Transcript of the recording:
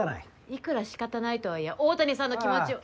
いくら仕方ないとはいえ大谷さんの気持ちを。